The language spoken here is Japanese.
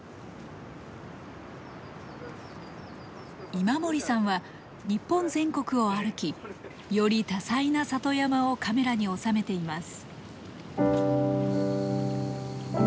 今森さんは日本全国を歩きより多彩な里山をカメラに収めています。